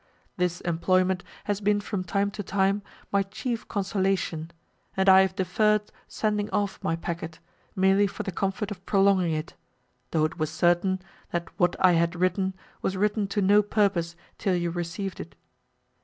This employment has been from time to time my chief consolation, and I have deferred sending off my packet, merely for the comfort of prolonging it, though it was certain, that what I had written, was written to no purpose till you received it.